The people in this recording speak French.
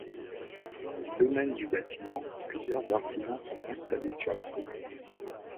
Dans le domaine du bâtiment, plusieurs artisans sont installés sur la commune.